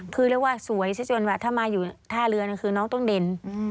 คือเรียกว่าสวยซะจนว่าถ้ามาอยู่ท่าเรือคือน้องต้องเด่น